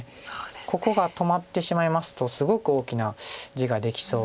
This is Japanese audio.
ここが止まってしまいますとすごく大きな地ができそうですので。